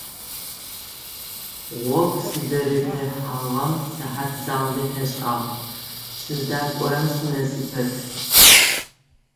Гъогу сызэрытехьагъэм сыхьат заулэ тешӀагъ, сыздакӀорэм сынэсы пэт.